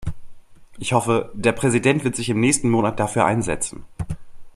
Ich hoffe, der Präsident wird sich im nächsten Monat dafür einsetzen.